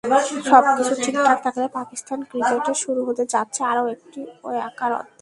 সবকিছু ঠিকঠাক থাকলে পাকিস্তান ক্রিকেটে শুরু হতে যাচ্ছে আরও একটি ওয়াকার-অধ্যায়।